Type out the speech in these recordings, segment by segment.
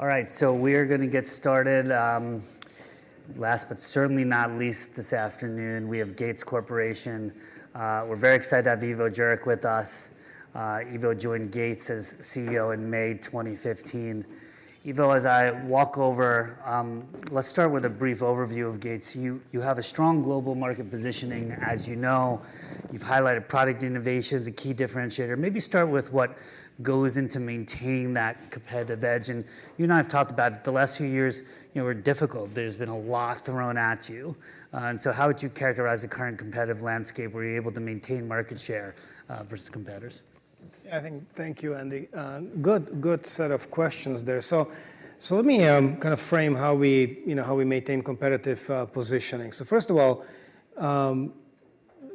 All right, so we are going to get started. Last but certainly not least, this afternoon we have Gates Corporation. We're very excited to have Ivo Jurek with us. Ivo joined Gates as CEO in May 2015. Ivo, as I walk over, let's start with a brief overview of Gates. You, you have a strong global market positioning, as you know. You've highlighted product innovations, a key differentiator. Maybe start with what goes into maintaining that competitive edge. And you and I have talked about it the last few years, you know, were difficult. There's been a lot thrown at you. And so how would you characterize the current competitive landscape where you're able to maintain market share, versus competitors? Yeah, I think. Thank you, Andy. Good, good set of questions there. So, so let me kind of frame how we, you know, how we maintain competitive positioning. So first of all,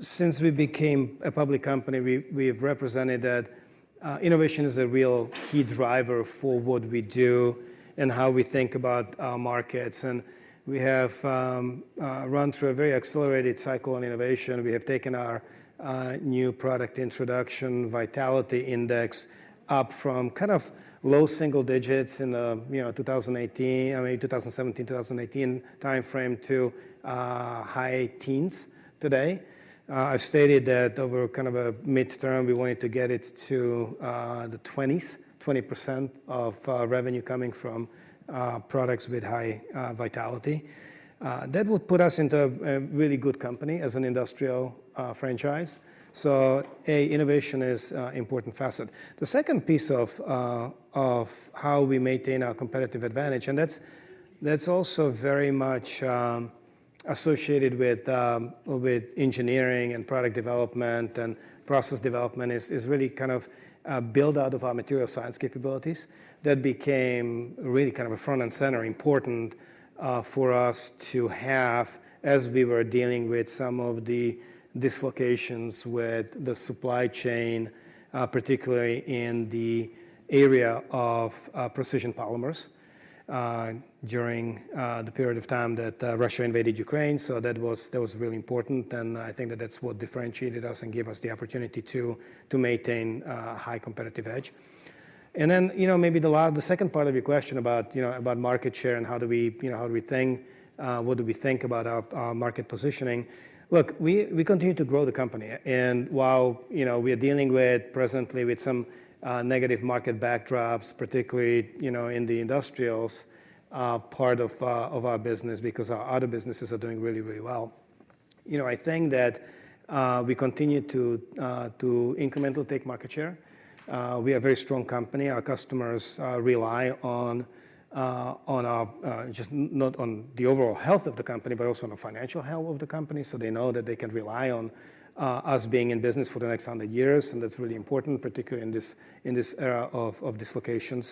since we became a public company, we, we have represented that innovation is a real key driver for what we do and how we think about markets. And we have run through a very accelerated cycle on innovation. We have taken our New Product Introduction Vitality Index up from kind of low single digits in the, you know, 2017, 2018 time frame to high teens today. I've stated that over kind of a midterm we wanted to get it to the 20s, 20% of revenue coming from products with high vitality. That would put us into a really good company as an industrial franchise. So A, innovation is an important facet. The second piece of how we maintain our competitive advantage, and that's also very much associated with engineering and product development and process development, is really kind of a build-out of our material science capabilities that became really kind of front and center, important, for us to have as we were dealing with some of the dislocations with the supply chain, particularly in the area of precision polymers, during the period of time that Russia invaded Ukraine. So that was really important. And I think that that's what differentiated us and gave us the opportunity to maintain a high competitive edge. And then, you know, maybe the last, the second part of your question about, you know, about market share and how do we, you know, how do we think, what do we think about our, our market positioning. Look, we continue to grow the company. And while, you know, we are dealing presently with some negative market backdrops, particularly, you know, in the industrials part of our business, because our other businesses are doing really, really well, you know, I think that we continue to incrementally take market share. We are a very strong company. Our customers rely on us, not just on the overall health of the company, but also on the financial health of the company. So they know that they can rely on us being in business for the next 100 years. And that's really important, particularly in this era of dislocations.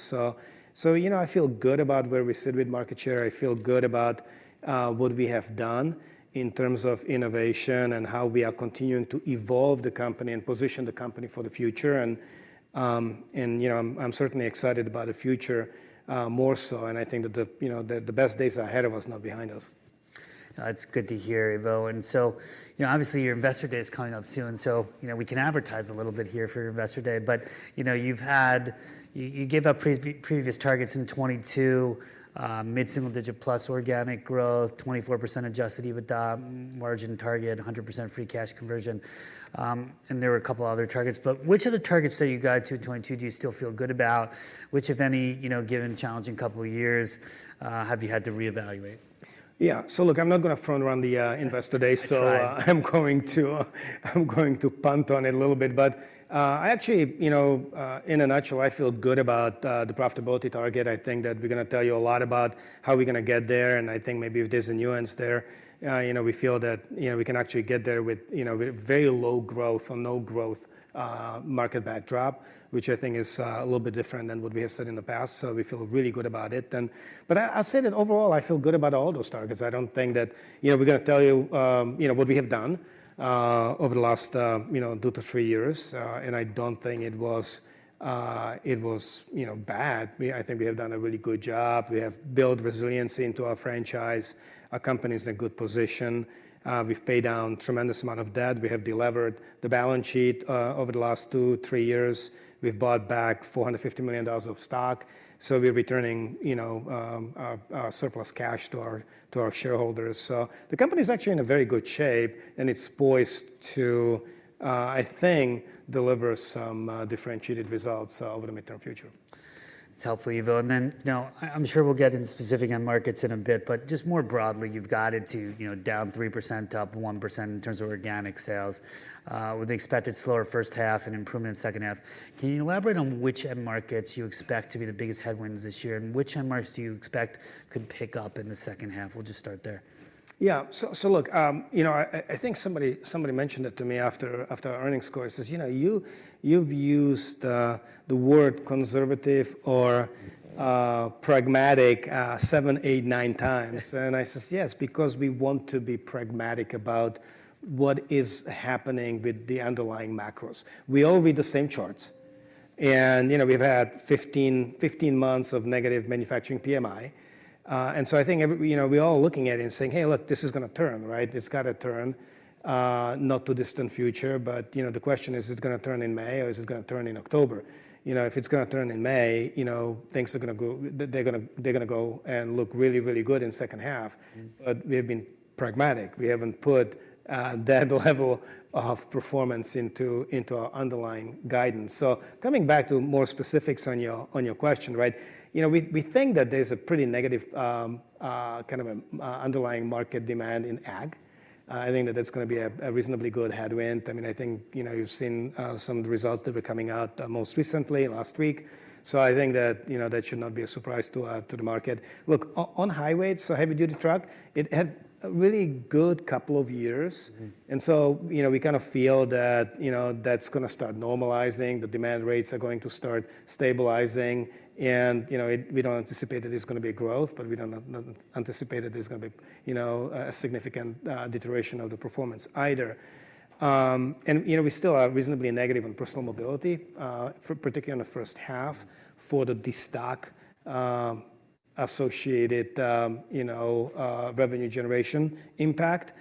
So, you know, I feel good about where we sit with market share. I feel good about what we have done in terms of innovation and how we are continuing to evolve the company and position the company for the future. And you know, I'm certainly excited about the future, more so. And I think that you know, the best days are ahead of us, not behind us. That's good to hear, Ivo. So, you know, obviously your Investor Day is coming up soon. You know, we can advertise a little bit here for your Investor Day. But, you know, you gave up previous targets in 2022, mid-single digit plus organic growth, 24% adjusted EBITDA margin target, 100% free cash conversion. And there were a couple other targets. But which of the targets that you got to in 2022 do you still feel good about? Which, if any, you know, given challenging couple of years, have you had to reevaluate? Yeah. So look, I'm not going to front-run the Investor Day. So I'm going to, I'm going to punt on it a little bit. But I actually, you know, in a nutshell, I feel good about the profitability target. I think that we're going to tell you a lot about how we're going to get there. And I think maybe if there's a nuance there, you know, we feel that, you know, we can actually get there with, you know, with very low growth or no growth, market backdrop, which I think is a little bit different than what we have said in the past. So we feel really good about it. And but I, I said it overall, I feel good about all those targets. I don't think that, you know, we're going to tell you, you know, what we have done over the last two to three years. I don't think it was, it was, you know, bad. We, I think we have done a really good job. We have built resiliency into our franchise. Our company is in a good position. We've paid down a tremendous amount of debt. We have delivered the balance sheet over the last two, three years. We've bought back $450 million of stock. So we're returning, you know, our, our surplus cash to our, to our shareholders. So the company is actually in a very good shape. And it's poised to, I think, deliver some differentiated results over the midterm future. It's helpful, Ivo. And then, you know, I'm sure we'll get into specific end markets in a bit. But just more broadly, you've got it to, you know, down 3%, up 1% in terms of organic sales, with the expected slower first half and improvement in the second half. Can you elaborate on which end markets you expect to be the biggest headwinds this year and which end markets do you expect could pick up in the second half? We'll just start there. Yeah. So, so look, you know, I, I think somebody, somebody mentioned it to me after, after our earnings call. He says, you know, you, you've used the, the word conservative or, pragmatic, seven, eight, nine times. And I says, yes, because we want to be pragmatic about what is happening with the underlying macros. We all read the same charts. And, you know, we've had 15, 15 months of negative manufacturing PMI. And so I think every, you know, we're all looking at it and saying, hey, look, this is going to turn, right? It's got to turn, not to a distant future. But, you know, the question is, is it going to turn in May or is it going to turn in October? You know, if it's going to turn in May, you know, things are going to go, they're going to, they're going to go and look really, really good in the second half. But we have been pragmatic. We haven't put that level of performance into our underlying guidance. So coming back to more specifics on your question, right, you know, we think that there's a pretty negative, kind of a, underlying market demand in Ag. I think that that's going to be a reasonably good headwind. I mean, I think, you know, you've seen some results that were coming out, most recently, last week. So I think that, you know, that should not be a surprise to the market. Look, On-Highway, so heavy-duty truck, it had a really good couple of years. And so, you know, we kind of feel that, you know, that's going to start normalizing. The demand rates are going to start stabilizing. And, you know, it, we don't anticipate that there's going to be a growth, but we don't anticipate that there's going to be, you know, a significant, deterioration of the performance either. And, you know, we still are reasonably negative on Personal Mobility, particularly on the first half for the de-stock, associated, you know, revenue generation impact.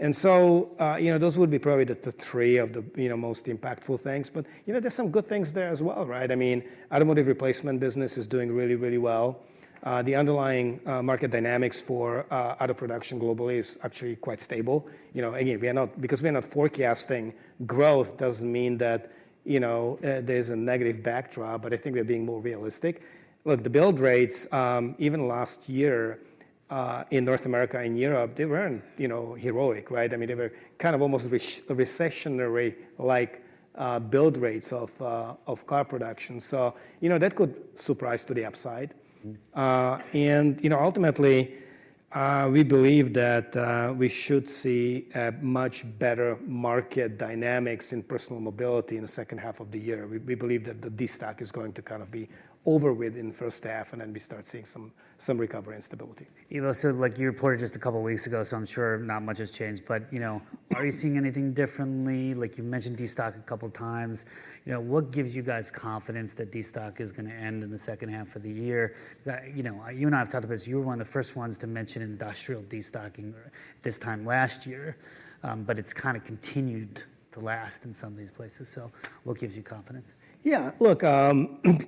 And so, you know, those would be probably the, the three of the, you know, most impactful things. But, you know, there's some good things there as well, right? I mean, Automotive Replacement business is doing really, really well. The underlying, market dynamics for, auto production globally is actually quite stable. You know, again, we are not, because we are not forecasting growth doesn't mean that, you know, there's a negative backdrop. But I think we are being more realistic. Look, the build rates, even last year, in North America and Europe, they weren't, you know, heroic, right? I mean, they were kind of almost recessionary like, build rates of, of car production. So, you know, that could surprise to the upside. And, you know, ultimately, we believe that, we should see a much better market dynamics in Personal Mobility in the second half of the year. We, we believe that the de-stock is going to kind of be over with in the first half and then we start seeing some, some recovery and stability. Ivo, so like you reported just a couple of weeks ago, so I'm sure not much has changed. But, you know, are you seeing anything differently? Like you mentioned de-stock a couple of times. You know, what gives you guys confidence that de-stock is going to end in the second half of the year? You know, you and I have talked about this. You were one of the first ones to mention industrial de-stocking this time last year. But it's kind of continued to last in some of these places. So what gives you confidence? Yeah. Look,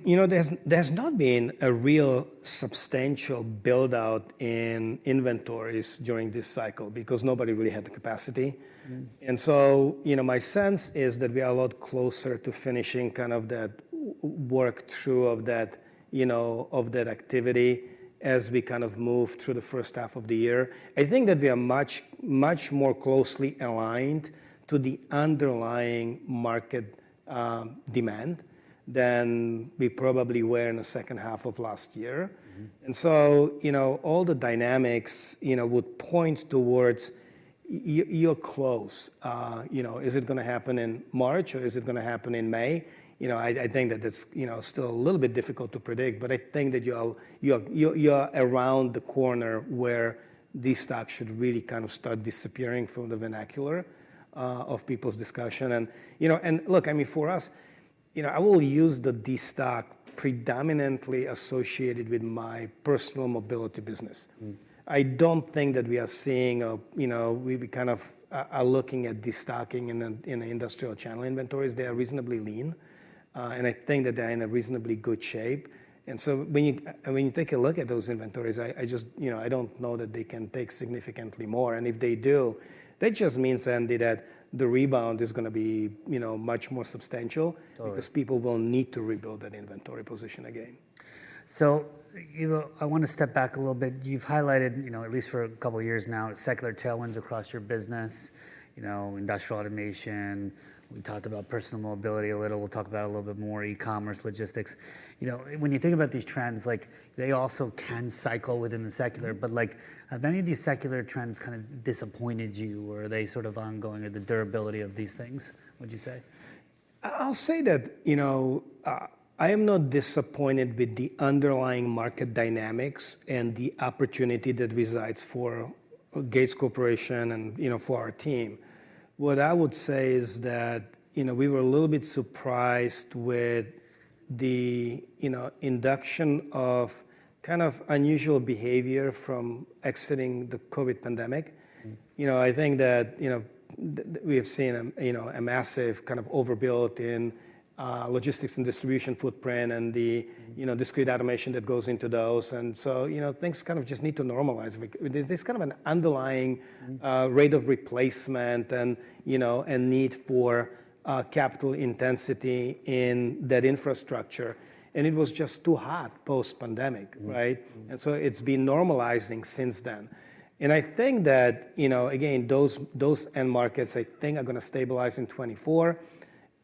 you know, there's not been a real substantial build-out in inventories during this cycle because nobody really had the capacity. And so, you know, my sense is that we are a lot closer to finishing kind of that work through of that, you know, of that activity as we kind of move through the first half of the year. I think that we are much, much more closely aligned to the underlying market demand than we probably were in the second half of last year. And so, you know, all the dynamics, you know, would point towards you're close. You know, is it going to happen in March or is it going to happen in May? You know, I think that that's, you know, still a little bit difficult to predict. But I think that you are around the corner where de-stock should really kind of start disappearing from the vernacular of people's discussion. And, you know, and look, I mean, for us, you know, I will use the de-stock predominantly associated with my personal mobility business. I don't think that we are seeing, you know, we kind of are looking at de-stocking in the industrial channel inventories. They are reasonably lean. And I think that they are in a reasonably good shape. And so when you take a look at those inventories, I just, you know, I don't know that they can take significantly more. And if they do, that just means, Andy, that the rebound is going to be, you know, much more substantial because people will need to rebuild that inventory position again. So Ivo, I want to step back a little bit. You've highlighted, you know, at least for a couple of years now, secular tailwinds across your business, you know, industrial automation. We talked about personal mobility a little. We'll talk about it a little bit more, e-commerce, logistics. You know, when you think about these trends, like they also can cycle within the secular. But like, have any of these secular trends kind of disappointed you or are they sort of ongoing or the durability of these things, would you say? I'll say that, you know, I am not disappointed with the underlying market dynamics and the opportunity that resides for Gates Corporation and, you know, for our team. What I would say is that, you know, we were a little bit surprised with the, you know, induction of kind of unusual behavior from exiting the COVID pandemic. You know, I think that, you know, we have seen a, you know, a massive kind of overbuilt in, logistics and distribution footprint and the, you know, discrete automation that goes into those. And so, you know, things kind of just need to normalize. There's kind of an underlying, rate of replacement and, you know, and need for, capital intensity in that infrastructure. And it was just too hot post-pandemic, right? And so it's been normalizing since then. And I think that, you know, again, those, those end markets, I think, are going to stabilize in 2024.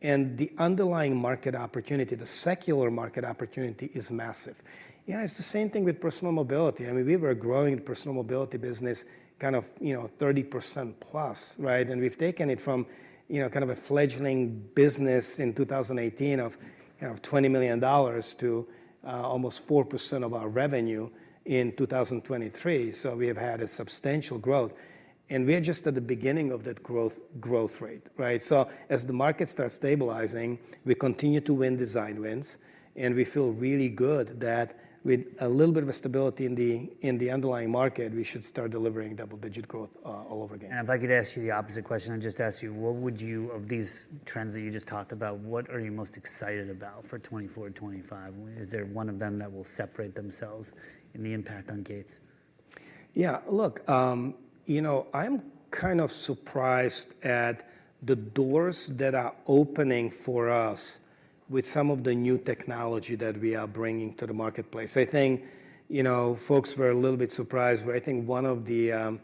And the underlying market opportunity, the secular market opportunity is massive. Yeah, it's the same thing with personal mobility. I mean, we were growing the personal mobility business kind of, you know, 30%+, right? And we've taken it from, you know, kind of a fledgling business in 2018 of kind of $20 million to almost 4% of our revenue in 2023. So we have had a substantial growth. And we are just at the beginning of that growth, growth rate, right? So as the market starts stabilizing, we continue to win design wins. And we feel really good that with a little bit of a stability in the, in the underlying market, we should start delivering double-digit growth all over again. I'd like you to ask you the opposite question. I'd just ask you, what would you, of these trends that you just talked about, what are you most excited about for 2024, 2025? Is there one of them that will separate themselves in the impact on Gates? Yeah. Look, you know, I'm kind of surprised at the doors that are opening for us with some of the new technology that we are bringing to the marketplace. I think, you know, folks were a little bit surprised where I think one of the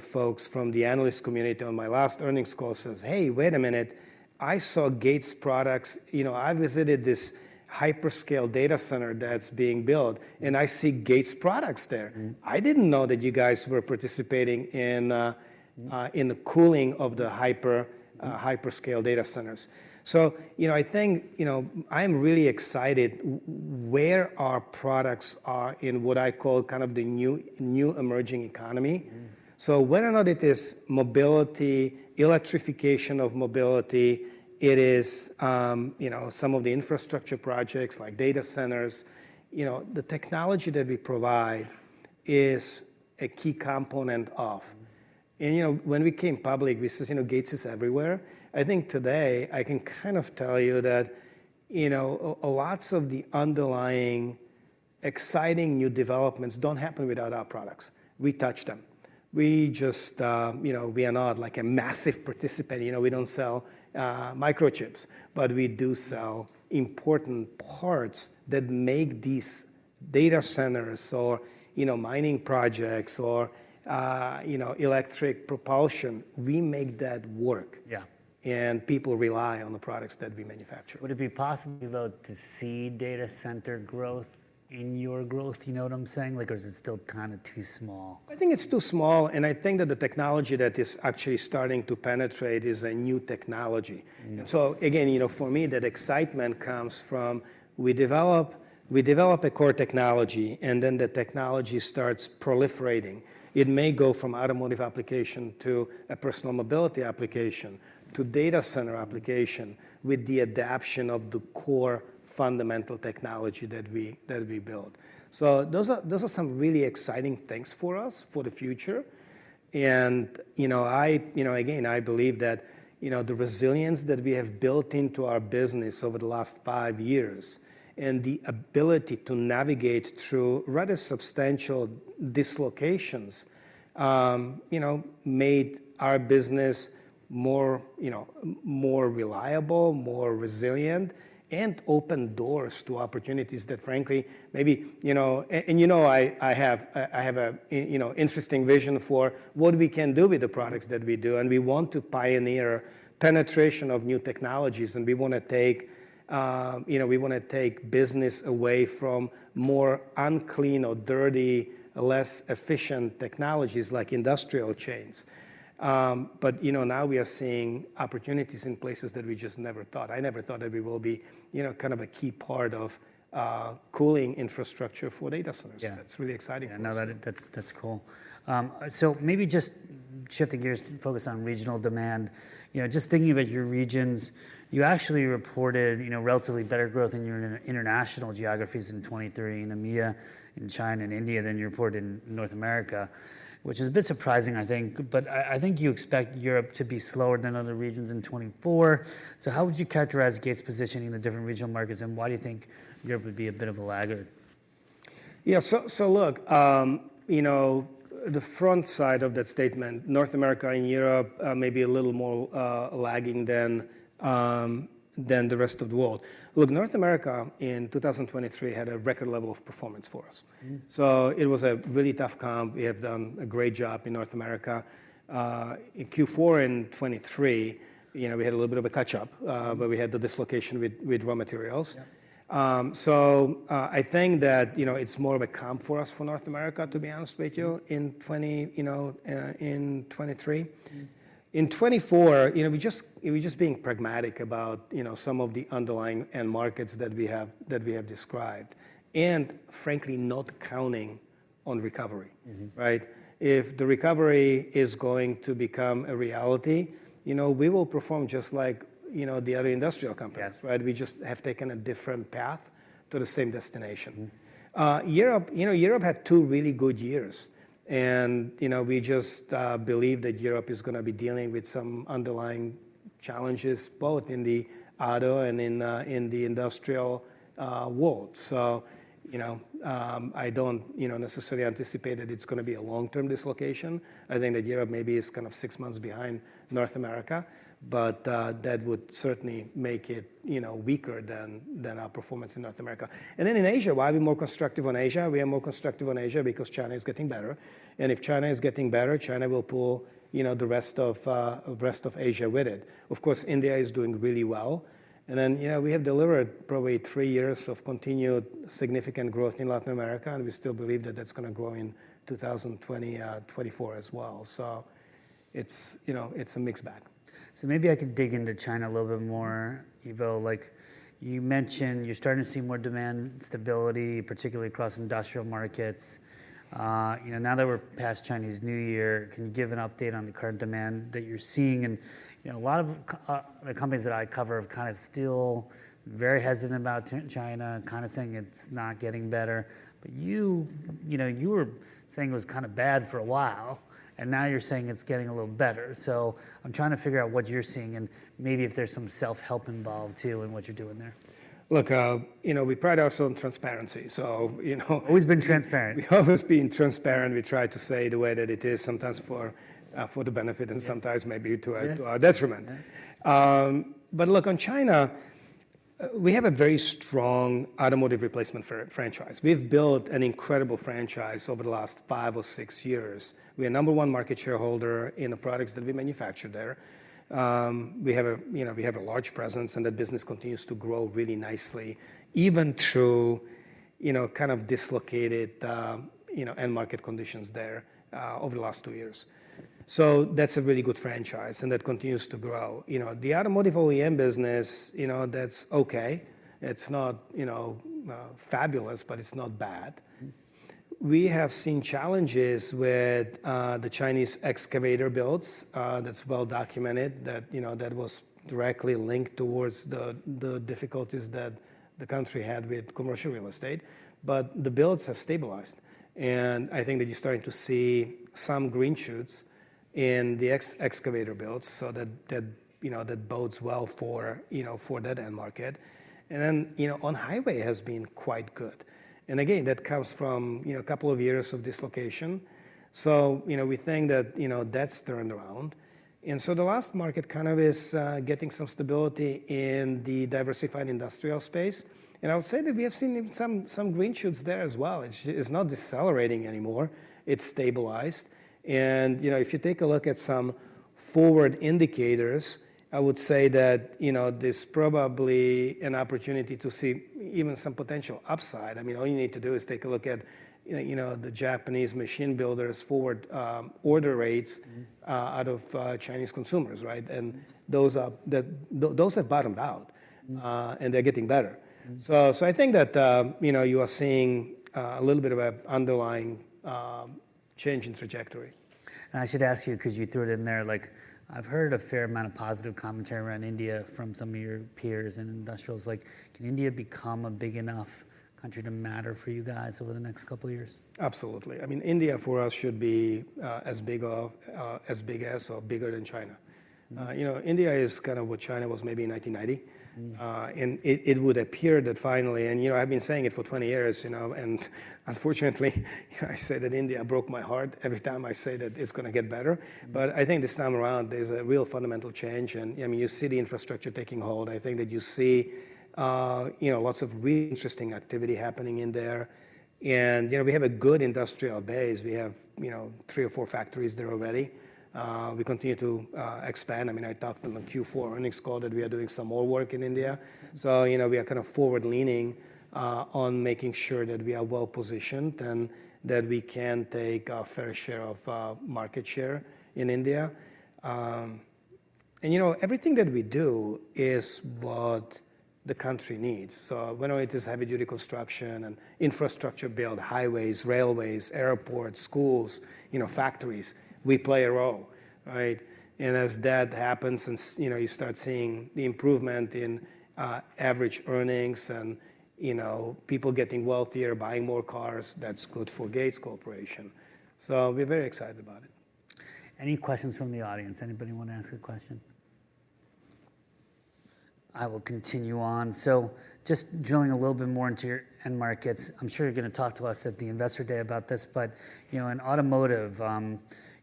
folks from the analyst community on my last earnings call says, hey, wait a minute. I saw Gates products. You know, I visited this hyperscale data center that's being built. And I see Gates products there. I didn't know that you guys were participating in the cooling of the hyperscale data centers. So, you know, I think, you know, I'm really excited where our products are in what I call kind of the new emerging economy. So whether or not it is mobility, electrification of mobility, it is, you know, some of the infrastructure projects like data centers, you know, the technology that we provide is a key component of. And, you know, when we came public, we says, you know, Gates is everywhere. I think today, I can kind of tell you that, you know, a lot of the underlying exciting new developments don't happen without our products. We touch them. We just, you know, we are not like a massive participant. You know, we don't sell microchips, but we do sell important parts that make these data centers or, you know, mining projects or, you know, electric propulsion, we make that work. Yeah, and people rely on the products that we manufacture. Would it be possible, Ivo, to see data center growth in your growth? You know what I'm saying? Like, or is it still kind of too small? I think it's too small. I think that the technology that is actually starting to penetrate is a new technology. So again, you know, for me, that excitement comes from we develop, we develop a core technology, and then the technology starts proliferating. It may go from automotive application to a personal mobility application to data center application with the adaptation of the core fundamental technology that we, that we built. So those are, those are some really exciting things for us for the future. And, you know, I, you know, again, I believe that, you know, the resilience that we have built into our business over the last five years and the ability to navigate through rather substantial dislocations, you know, made our business more, you know, more reliable, more resilient, and open doors to opportunities that, frankly, maybe, you know, and, and you know, I, I have, I have a, you know, interesting vision for what we can do with the products that we do. And we want to pioneer penetration of new technologies. And we want to take, you know, we want to take business away from more unclean or dirty, less efficient technologies like industrial chains. But, you know, now we are seeing opportunities in places that we just never thought. I never thought that we will be, you know, kind of a key part of cooling infrastructure for data centers. That's really exciting for us. I know that. That's, that's cool. So maybe just shifting gears to focus on regional demand. You know, just thinking about your regions, you actually reported, you know, relatively better growth in your international geographies in 2023 in India, in China, and India than you reported in North America, which is a bit surprising, I think. But I, I think you expect Europe to be slower than other regions in 2024. So how would you characterize Gates' positioning in the different regional markets? And why do you think Europe would be a bit of a laggard? Yeah. So, look, you know, the front side of that statement, North America and Europe, may be a little more lagging than the rest of the world. Look, North America in 2023 had a record level of performance for us. So it was a really tough comp. We have done a great job in North America. In Q4 in 2023, you know, we had a little bit of a catch-up, but we had the dislocation with raw materials. So, I think that, you know, it's more of a comp for us for North America, to be honest with you, in 2020, you know, in 2023. In 2024, you know, we just, we're just being pragmatic about, you know, some of the underlying end markets that we have, that we have described and frankly, not counting on recovery, right? If the recovery is going to become a reality, you know, we will perform just like, you know, the other industrial companies, right? We just have taken a different path to the same destination. Europe, you know, Europe had two really good years. And, you know, we just believe that Europe is going to be dealing with some underlying challenges both in the auto and in the industrial world. So, you know, I don't, you know, necessarily anticipate that it's going to be a long-term dislocation. I think that Europe maybe is kind of six months behind North America, but that would certainly make it, you know, weaker than our performance in North America. And then in Asia, why are we more constructive on Asia? We are more constructive on Asia because China is getting better. If China is getting better, China will pull, you know, the rest of Asia with it. Of course, India is doing really well. Then, you know, we have delivered probably three years of continued significant growth in Latin America. We still believe that that's going to grow in 2020, 2024 as well. It's, you know, a mixed bag. So maybe I can dig into China a little bit more, Ivo. Like you mentioned you're starting to see more demand stability, particularly across industrial markets. You know, now that we're past Chinese New Year, can you give an update on the current demand that you're seeing? And, you know, a lot of the companies that I cover have kind of still very hesitant about China, kind of saying it's not getting better. But you, you know, you were saying it was kind of bad for a while, and now you're saying it's getting a little better. So I'm trying to figure out what you're seeing and maybe if there's some self-help involved too in what you're doing there. Look, you know, we pride ourselves on transparency. So, you know. Always been transparent. We've always been transparent. We try to say the way that it is sometimes for, for the benefit and sometimes maybe to our, to our detriment. But look, on China, we have a very strong Automotive replacement franchise. We've built an incredible franchise over the last five or six years. We are number one market share in the products that we manufacture there. We have a, you know, we have a large presence, and that business continues to grow really nicely even through, you know, kind of dislocated, you know, end market conditions there, over the last two years. So that's a really good franchise, and that continues to grow. You know, the Automotive OEM business, you know, that's okay. It's not, you know, fabulous, but it's not bad. We have seen challenges with the Chinese excavator builds. That's well documented that, you know, that was directly linked toward the difficulties that the country had with commercial real estate. But the builds have stabilized. And I think that you're starting to see some green shoots in the excavator builds so that, you know, that bodes well for, you know, for that end market. And then, you know, on highway has been quite good. And again, that comes from, you know, a couple of years of dislocation. So, you know, we think that, you know, that's turned around. And so the last market kind of is getting some stability in the Diversified Industrial space. And I would say that we have seen some green shoots there as well. It's not decelerating anymore. It's stabilized. You know, if you take a look at some forward indicators, I would say that, you know, there's probably an opportunity to see even some potential upside. I mean, all you need to do is take a look at, you know, the Japanese machine builders' forward order rates out of Chinese consumers, right? And those are, those have bottomed out, and they're getting better. So I think that, you know, you are seeing a little bit of an underlying change in trajectory. I should ask you, because you threw it in there, like, I've heard a fair amount of positive commentary around India from some of your peers and industrials. Like, can India become a big enough country to matter for you guys over the next couple of years? Absolutely. I mean, India for us should be, as big of, as big as or bigger than China. You know, India is kind of what China was maybe in 1990. And it, it would appear that finally, and, you know, I've been saying it for 20 years, you know, and unfortunately, you know, I say that India broke my heart every time I say that it's going to get better. But I think this time around, there's a real fundamental change. And, I mean, you see the infrastructure taking hold. I think that you see, you know, lots of really interesting activity happening in there. And, you know, we have a good industrial base. We have, you know, three or four factories there already. We continue to, expand. I mean, I talked on the Q4 earnings call that we are doing some more work in India. So, you know, we are kind of forward-leaning on making sure that we are well-positioned and that we can take a fair share of market share in India. And, you know, everything that we do is what the country needs. So, you know, it is heavy-duty construction and infrastructure build, highways, railways, airports, schools, you know, factories. We play a role, right? And as that happens and, you know, you start seeing the improvement in average earnings and, you know, people getting wealthier, buying more cars, that's good for Gates Corporation. So we're very excited about it. Any questions from the audience? Anybody want to ask a question? I will continue on. So just drilling a little bit more into your end markets. I'm sure you're going to talk to us at the Investor Day about this. But, you know, in automotive,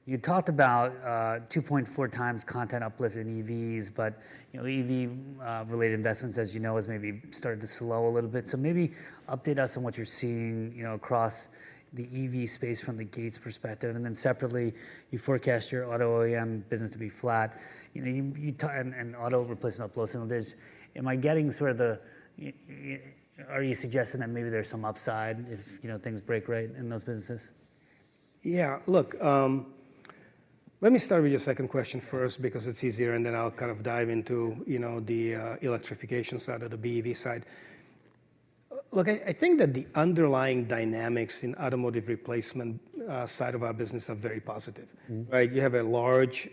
you talked about 2.4 times content uplift in EVs, but, you know, EV-related investments, as you know, has maybe started to slow a little bit. So maybe update us on what you're seeing, you know, across the EV space from the Gates perspective. And then separately, you forecast your auto OEM business to be flat. You know, you talk and auto replacement upside signals. Am I getting sort of the, are you suggesting that maybe there's some upside if, you know, things break right in those businesses? Yeah. Look, let me start with your second question first because it's easier, and then I'll kind of dive into, you know, the, electrification side or the BEV side. Look, I, I think that the underlying dynamics in automotive replacement, side of our business are very positive, right? You have a large,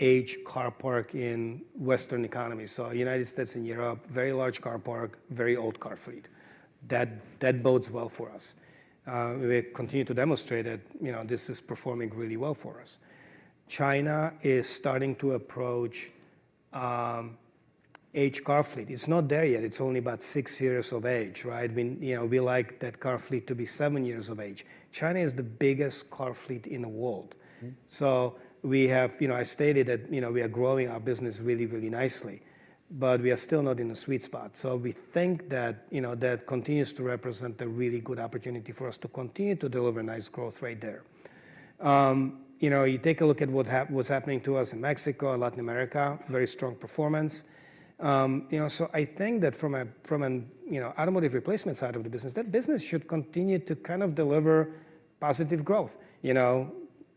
aged car park in Western economies. So United States and Europe, very large car park, very old car fleet. That, that bodes well for us. We continue to demonstrate that, you know, this is performing really well for us. China is starting to approach, aged car fleet. It's not there yet. It's only about six years of age, right? We, you know, we like that car fleet to be seven years of age. China is the biggest car fleet in the world. So we have, you know, I stated that, you know, we are growing our business really, really nicely, but we are still not in the sweet spot. So we think that, you know, that continues to represent a really good opportunity for us to continue to deliver nice growth right there. You know, you take a look at what happened was happening to us in Mexico, Latin America, very strong performance. You know, so I think that from a, from an, you know, automotive replacement side of the business, that business should continue to kind of deliver positive growth, you know,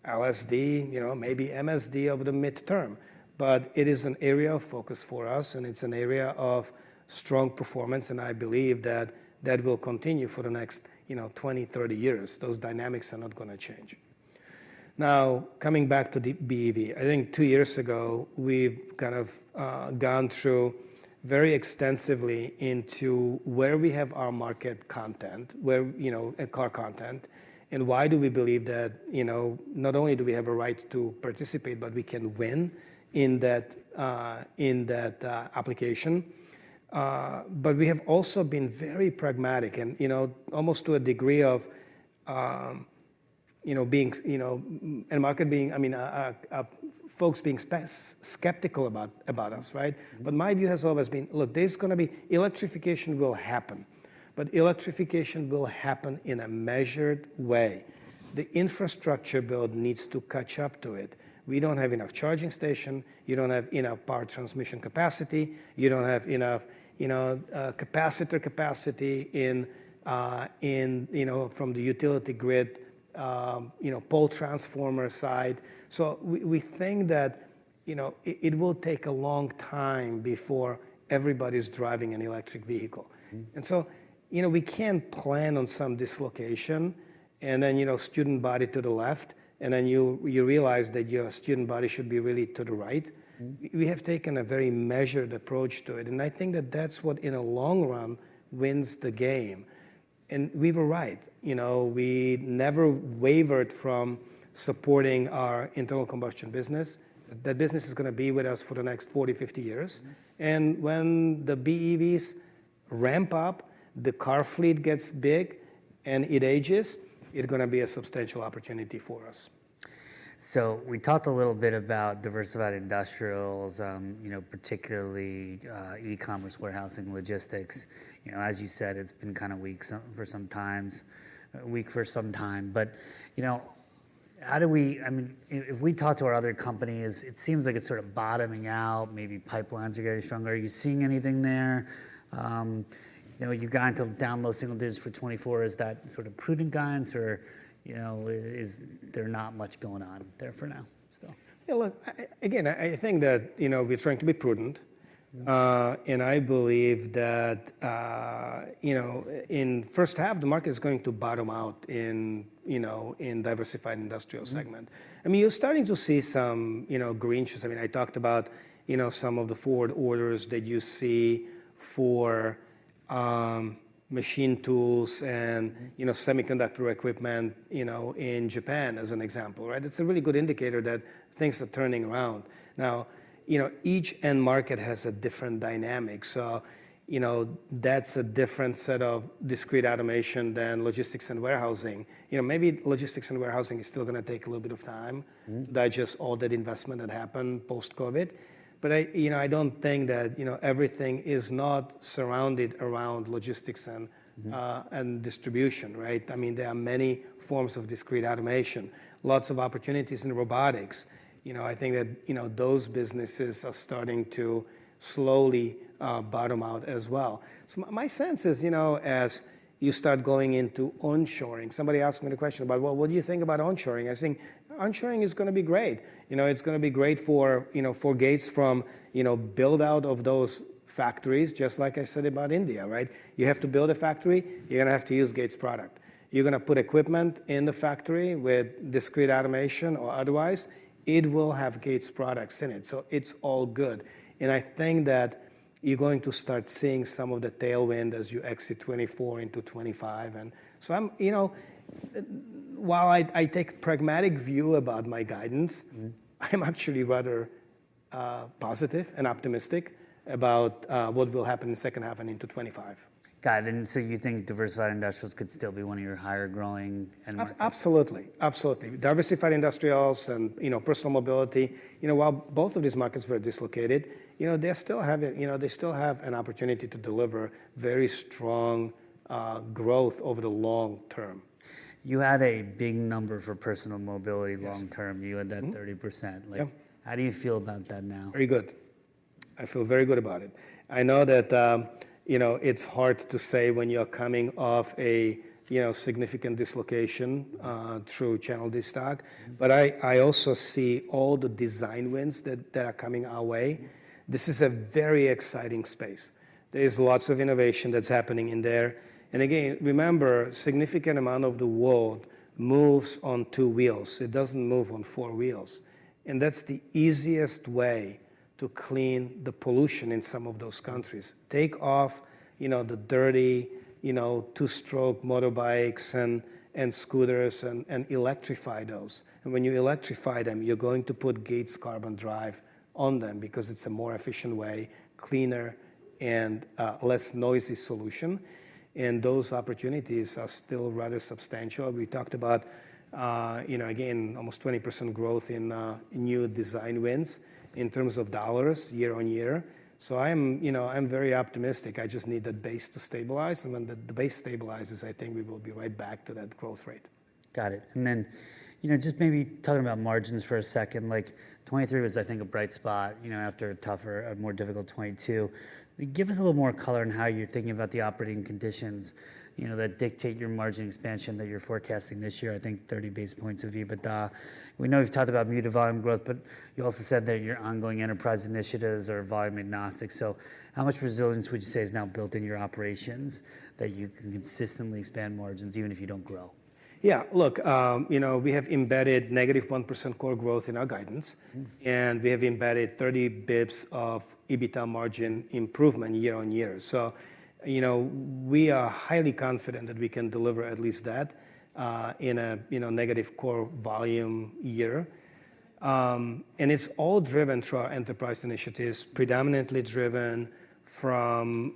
LSD, you know, maybe MSD over the midterm. But it is an area of focus for us, and it's an area of strong performance. And I believe that that will continue for the next, you know, 20, 30 years. Those dynamics are not going to change. Now, coming back to the BEV, I think two years ago, we've kind of gone through very extensively into where we have our market content, where, you know, car content, and why do we believe that, you know, not only do we have a right to participate, but we can win in that, in that, application. But we have also been very pragmatic and, you know, almost to a degree of, you know, being, you know, and market being, I mean, folks being skeptical about, about us, right? But my view has always been, look, there's going to be electrification will happen, but electrification will happen in a measured way. The infrastructure build needs to catch up to it. We don't have enough charging station. You don't have enough power transmission capacity. You don't have enough, you know, capacitor capacity in, you know, from the utility grid, you know, pole transformer side. So we think that, you know, it will take a long time before everybody's driving an electric vehicle. And so, you know, we can't plan on some dislocation and then, you know, student body to the left, and then you realize that your student body should be really to the right. We have taken a very measured approach to it. And I think that that's what, in a long run, wins the game. And we were right. You know, we never wavered from supporting our internal combustion business. That business is going to be with us for the next 40, 50 years. And when the BEVs ramp up, the car fleet gets big, and it ages, it's going to be a substantial opportunity for us. So we talked a little bit about Diversified Industrials, you know, particularly e-commerce, warehousing, logistics. You know, as you said, it's been kind of weak for some times, weak for some time. But, you know, how do we, I mean, if we talk to our other companies, it seems like it's sort of bottoming out. Maybe pipelines are getting stronger. Are you seeing anything there? You know, you've gone to low-end single digits for 2024. Is that sort of prudent guidance or, you know, is there not much going on there for now still? Yeah. Look, again, I think that, you know, we're trying to be prudent. I believe that, you know, in first half, the market is going to bottom out in, you know, in Diversified Industrials segment. I mean, you're starting to see some, you know, green shoots. I mean, I talked about, you know, some of the forward orders that you see for, machine tools and, you know, semiconductor equipment, you know, in Japan as an example, right? That's a really good indicator that things are turning around. Now, you know, each end market has a different dynamic. You know, that's a different set of discrete automation than logistics and warehousing. You know, maybe logistics and warehousing is still going to take a little bit of time to digest all that investment that happened post-COVID. But I, you know, I don't think that, you know, everything is not surrounded around logistics and distribution, right? I mean, there are many forms of discrete automation, lots of opportunities in robotics. You know, I think that, you know, those businesses are starting to slowly bottom out as well. So my sense is, you know, as you start going into onshoring, somebody asked me the question about, well, what do you think about onshoring? I think onshoring is going to be great. You know, it's going to be great for, you know, for Gates from, you know, build out of those factories, just like I said about India, right? You have to build a factory. You're going to have to use Gates product. You're going to put equipment in the factory with discrete automation or otherwise, it will have Gates products in it. So it's all good. And I think that you're going to start seeing some of the tailwind as you exit 2024 into 2025. And so I'm, you know, while I take a pragmatic view about my guidance, I'm actually rather, positive and optimistic about, what will happen in the second half and into 2025. Got it. And so you think diversified industrials could still be one of your higher growing end markets? Absolutely. Absolutely. Diversified industrials and, you know, personal mobility, you know, while both of these markets were dislocated, you know, they're still having, you know, they still have an opportunity to deliver very strong growth over the long term. You had a big number for personal mobility long term. You had that 30%. Like, how do you feel about that now? Very good. I feel very good about it. I know that, you know, it's hard to say when you're coming off a, you know, significant dislocation through channel destock. But I also see all the design wins that are coming our way. This is a very exciting space. There's lots of innovation that's happening in there. And again, remember, a significant amount of the world moves on two wheels. It doesn't move on four wheels. And that's the easiest way to clean the pollution in some of those countries. Take off, you know, the dirty, you know, two-stroke motorbikes and scooters and electrify those. And when you electrify them, you're going to put Gates Carbon Drive on them because it's a more efficient way, cleaner, and less noisy solution. And those opportunities are still rather substantial. We talked about, you know, again, almost 20% growth in new design wins in terms of dollars year-over-year. So I am, you know, I'm very optimistic. I just need that base to stabilize. And when the base stabilizes, I think we will be right back to that growth rate. Got it. And then, you know, just maybe talking about margins for a second, like 2023 was, I think, a bright spot, you know, after a tougher, a more difficult 2022. Give us a little more color on how you're thinking about the operating conditions, you know, that dictate your margin expansion that you're forecasting this year, I think, 30 basis points of EBITDA. We know you've talked about muted volume growth, but you also said that your ongoing enterprise initiatives are volume agnostic. So how much resilience would you say is now built in your operations that you can consistently expand margins even if you don't grow? Yeah. Look, you know, we have embedded negative 1% core growth in our guidance, and we have embedded 30 basis points of EBITDA margin improvement year-over-year. So, you know, we are highly confident that we can deliver at least that, in a, you know, negative core volume year. And it's all driven through our enterprise initiatives, predominantly driven from,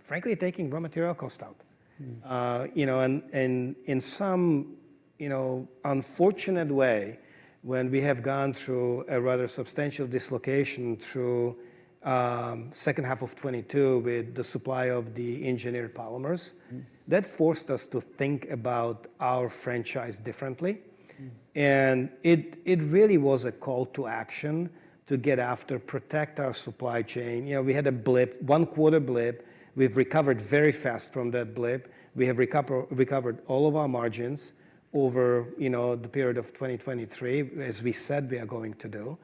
frankly, taking raw material costs out, you know, and, and in some, you know, unfortunate way, when we have gone through a rather substantial dislocation through second half of 2022 with the supply of the engineered polymers, that forced us to think about our franchise differently. And it, it really was a call to action to get after, protect our supply chain. You know, we had a blip, one quarter blip. We've recovered very fast from that blip. We have recovered all of our margins over, you know, the period of 2023, as we said we are going to do.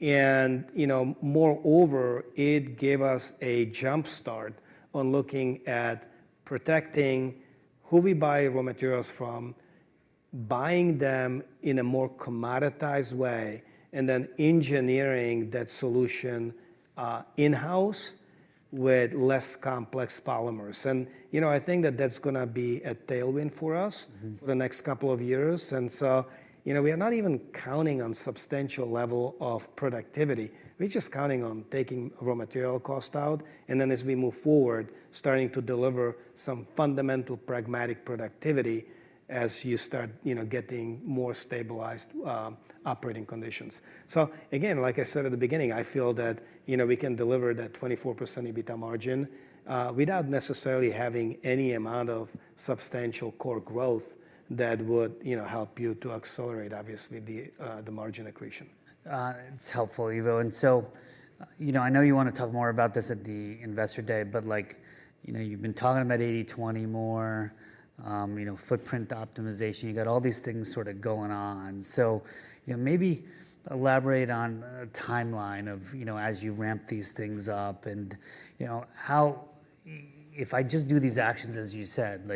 And, you know, moreover, it gave us a jumpstart on looking at protecting who we buy raw materials from, buying them in a more commoditized way, and then engineering that solution, in-house with less complex polymers. And, you know, I think that that's going to be a tailwind for us for the next couple of years. And so, you know, we are not even counting on a substantial level of productivity. We're just counting on taking raw material costs out. And then as we move forward, starting to deliver some fundamental pragmatic productivity as you start, you know, getting more stabilized, operating conditions. So again, like I said at the beginning, I feel that, you know, we can deliver that 24% EBITDA margin, without necessarily having any amount of substantial core growth that would, you know, help you to accelerate, obviously, the margin accretion. It's helpful, Ivo. And so, you know, I know you want to talk more about this at the Investor Day, but like, you know, you've been talking about 80/20 more, you know, footprint optimization. You got all these things sort of going on. So, you know, maybe elaborate on a timeline of, you know, as you ramp these things up and, you know, how if I just do these actions, as you said,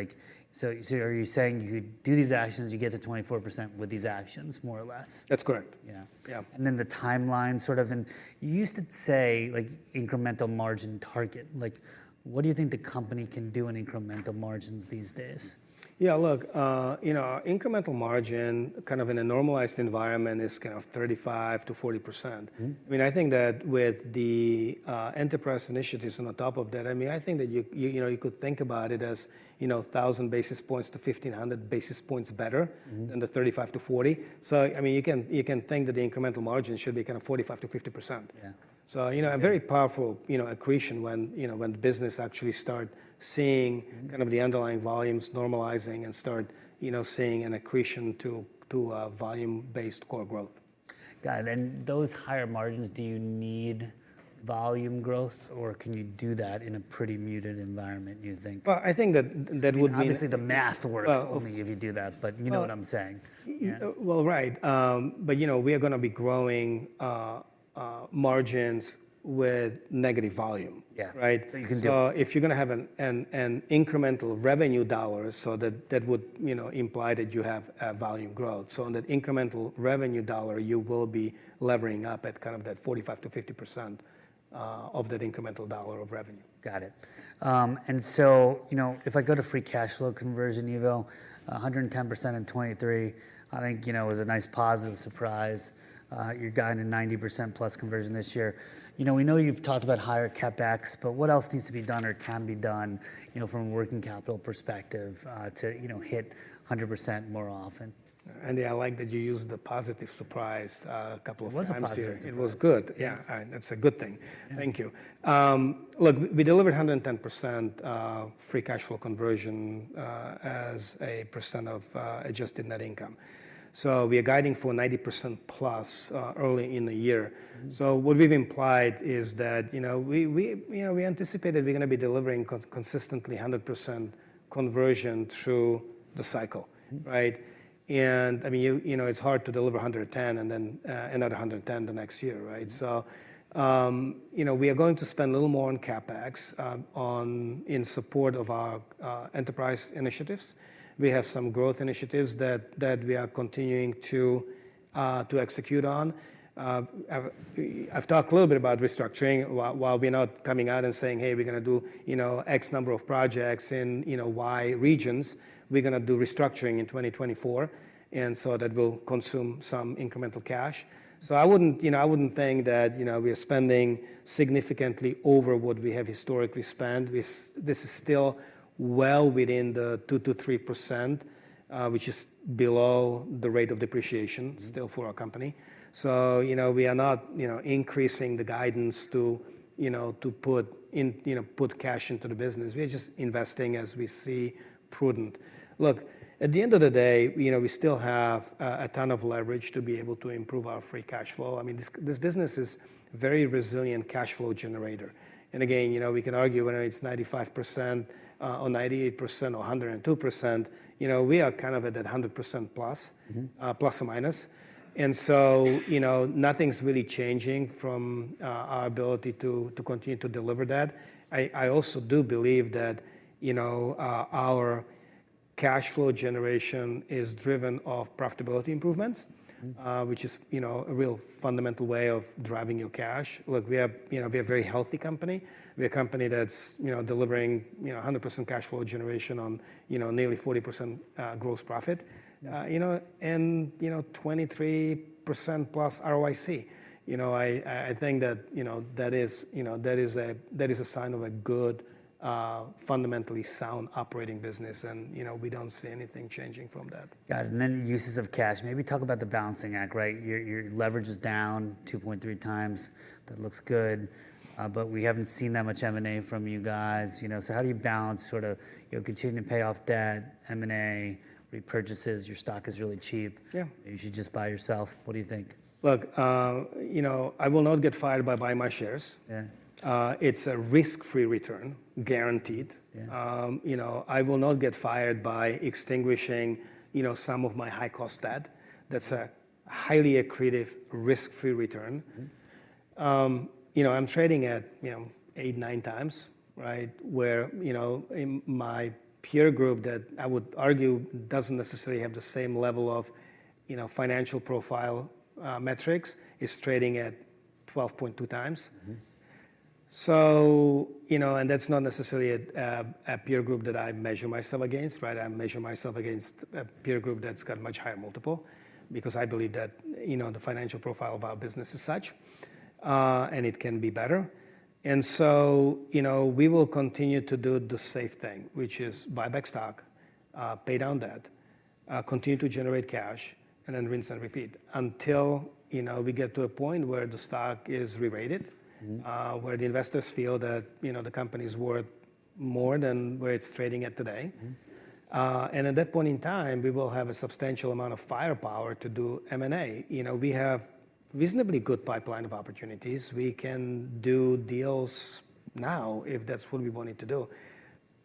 like, so are you saying you could do these actions, you get to 24% with these actions, more or less? That's correct. Yeah. Yeah. And then the timeline sort of, and you used to say, like, incremental margin target. Like, what do you think the company can do in incremental margins these days? Yeah. Look, you know, our incremental margin kind of in a normalized environment is kind of 35%-40%. I mean, I think that with the enterprise initiatives on top of that, I mean, I think that you, you know, you could think about it as, you know, 1,000 basis points to 1,500 basis points better than the 35%-40%. So, I mean, you can, you can think that the incremental margin should be kind of 45%-50%. Yeah. So, you know, a very powerful, you know, accretion when, you know, when the business actually starts seeing kind of the underlying volumes normalizing and start, you know, seeing an accretion to, to, volume-based core growth. Got it. And those higher margins, do you need volume growth or can you do that in a pretty muted environment, you think? Well, I think that that would mean. Obviously, the math works only if you do that, but you know what I'm saying. Well, right. But, you know, we are going to be growing margins with negative volume, right? So if you're going to have an incremental revenue dollar, that would, you know, imply that you have a volume growth. So on that incremental revenue dollar, you will be levering up at kind of that 45%-50% of that incremental dollar of revenue. Got it. And so, you know, if I go to free cash flow conversion, Ivo, 110% in 2023, I think, you know, it was a nice positive surprise. You're going to 90% plus conversion this year. You know, we know you've talked about higher CapEx, but what else needs to be done or can be done, you know, from a working capital perspective, to, you know, hit 100% more often? Andy, I like that you used the positive surprise a couple of times here. It was good. Yeah. That's a good thing. Thank you. Look, we delivered 110% free cash flow conversion as a percent of adjusted net income. So we are guiding for 90%+ early in the year. So what we've implied is that, you know, we, we, you know, we anticipate that we're going to be delivering consistently 100% conversion through the cycle, right? And I mean, you, you know, it's hard to deliver 110 and then another 110 the next year, right? So, you know, we are going to spend a little more on CapEx, in support of our enterprise initiatives. We have some growth initiatives that, that we are continuing to, to execute on. I've talked a little bit about restructuring while we're not coming out and saying, "Hey, we're going to do, you know, X number of projects in, you know, Y regions. We're going to do restructuring in 2024." And so that will consume some incremental cash. So I wouldn't, you know, I wouldn't think that, you know, we are spending significantly over what we have historically spent. This is still well within the 2%-3%, which is below the rate of depreciation still for our company. So, you know, we are not, you know, increasing the guidance to, you know, to put in, you know, put cash into the business. We are just investing as we see prudent. Look, at the end of the day, you know, we still have a ton of leverage to be able to improve our free cash flow. I mean, this, this business is a very resilient cash flow generator. And again, you know, we can argue whether it's 95%, or 98% or 102%, you know, we are kind of at that 100% plus, plus or minus. And so, you know, nothing's really changing from, our ability to, to continue to deliver that. I, I also do believe that, you know, our cash flow generation is driven of profitability improvements, which is, you know, a real fundamental way of driving your cash. Look, we have, you know, we have a very healthy company. We have a company that's, you know, delivering, you know, 100% cash flow generation on, you know, nearly 40%, gross profit, you know, and, you know, 23% plus ROIC. You know, I, I think that, you know, that is, you know, that is a that is a sign of a good, fundamentally sound operating business. You know, we don't see anything changing from that. Got it. Then uses of cash. Maybe talk about the balancing act, right? Your leverage is down 2.3 times. That looks good. But we haven't seen that much M&A from you guys, you know? So how do you balance sort of, you know, continuing to pay off debt, M&A, repurchases? Your stock is really cheap. Yeah, you should just buy yourself. What do you think? Look, you know, I will not get fired by buying my shares. Yeah, it's a risk-free return, guaranteed. You know, I will not get fired by extinguishing, you know, some of my high-cost debt. That's a highly accretive risk-free return. You know, I'm trading at, you know, 8-9x, right, where, you know, in my peer group that I would argue doesn't necessarily have the same level of, you know, financial profile, metrics is trading at 12.2x. So, you know, and that's not necessarily a peer group that I measure myself against, right? I measure myself against a peer group that's got a much higher multiple because I believe that, you know, the financial profile of our business is such, and it can be better. And so, you know, we will continue to do the safe thing, which is buy back stock, pay down debt, continue to generate cash, and then rinse and repeat until, you know, we get to a point where the stock is re-rated, where the investors feel that, you know, the company is worth more than where it's trading at today. And at that point in time, we will have a substantial amount of firepower to do M&A. You know, we have a reasonably good pipeline of opportunities. We can do deals now if that's what we wanted to do.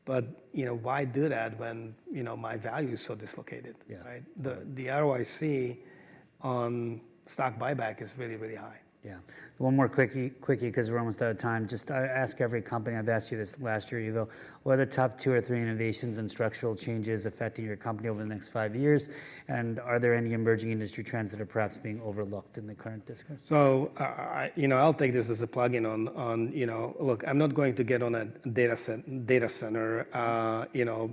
But, you know, why do that when, you know, my value is so dislocated, right? The ROIC on stock buyback is really, really high. Yeah. One more quickie, quickie, because we're almost out of time. Just ask every company. I've asked you this last year, Ivo. What are the top two or three innovations and structural changes affecting your company over the next five years? And are there any emerging industry trends that are perhaps being overlooked in the current discourse? So, you know, I'll take this as a plug-in on, you know, look, I'm not going to get on a data center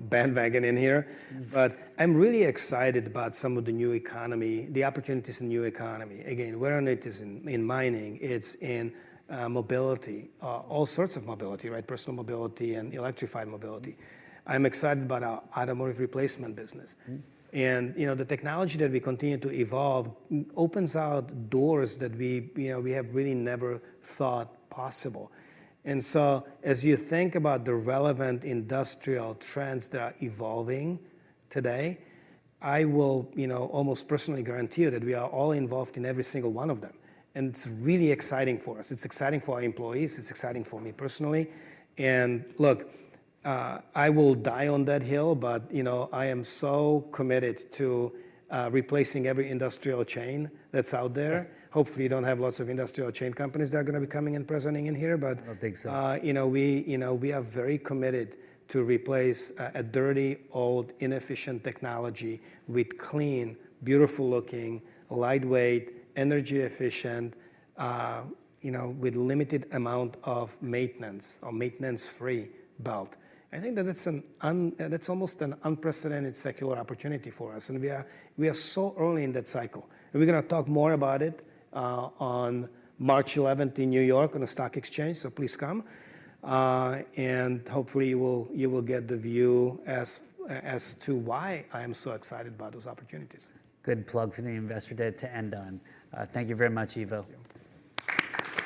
bandwagon in here, but I'm really excited about some of the new economy, the opportunities in new economy. Again, where it is in mining, it's in mobility, all sorts of mobility, right? Personal mobility and electrified mobility. I'm excited about our automotive replacement business. And, you know, the technology that we continue to evolve opens doors that we, you know, we have really never thought possible. And so as you think about the relevant industrial trends that are evolving today, I will, you know, almost personally guarantee you that we are all involved in every single one of them. And it's really exciting for us. It's exciting for our employees. It's exciting for me personally. And look, I will die on that hill, but, you know, I am so committed to, replacing every industrial chain that's out there. Hopefully, you don't have lots of industrial chain companies that are going to be coming and presenting in here, but, you know, we, you know, we are very committed to replace, a dirty, old, inefficient technology with clean, beautiful-looking, lightweight, energy-efficient, you know, with a limited amount of maintenance or maintenance-free belt. I think that that's an unprecedented secular opportunity for us. And we are, we are so early in that cycle. And we're going to talk more about it, on March 11th in New York on the stock exchange. So please come. And hopefully you will, you will get the view as, as to why I am so excited about those opportunities. Good plug for the Investor Day to end on. Thank you very much, Ivo.